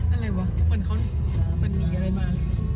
อะไรวะเหมือนเขาหนีอะไรมา